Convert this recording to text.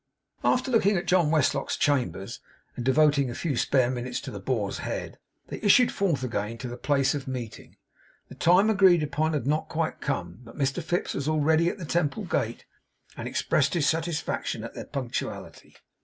After looking at John Westlock's chambers, and devoting a few spare minutes to the Boar's Head, they issued forth again to the place of meeting. The time agreed upon had not quite come; but Mr Fips was already at the Temple Gate, and expressed his satisfaction at their punctuality.